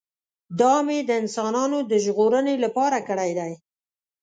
دا مې د انسانانو د ژغورنې لپاره کړی دی.